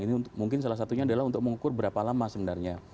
ini mungkin salah satunya adalah untuk mengukur berapa lama sebenarnya